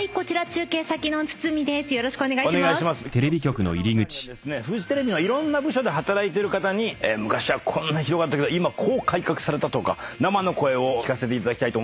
今日堤アナウンサーにはですねフジテレビのいろんな部署で働いてる方に昔はこんなひどかったけど今こう改革されたとか生の声を聞かせていただきたいと思います。